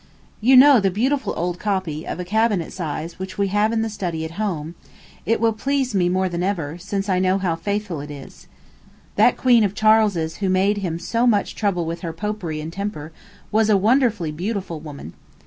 You know the beautiful old copy, of a cabinet size, which we have in the study at home: it will please me more than ever, since I know how faithful it is. That queen of Charles's who made him so much trouble with her Popery and temper was a wonderfully beautiful woman.